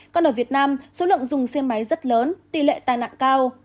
còn ở việt nam số lượng dùng xe máy rất lớn tỷ lệ tai nạn cao